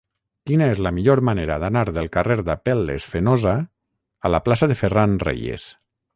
Quina és la millor manera d'anar del carrer d'Apel·les Fenosa a la plaça de Ferran Reyes?